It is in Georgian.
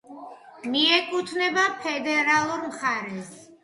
მიეკუთვნება ფედერალურ მხარეს.